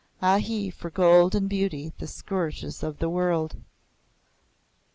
(Ahi! for gold and beauty, the scourges of the world!)